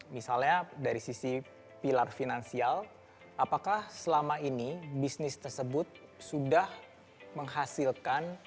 misalnya dari sisi pilar finansial apakah selama ini bisnis tersebut sudah menghasilkan